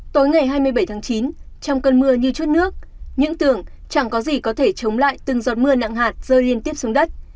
tối ngày hai mươi bảy tháng chín trong cơn mưa như chút nước những tưởng chẳng có gì có thể chống lại từng giọt mưa nặng hạt rơi liên tiếp xuống đất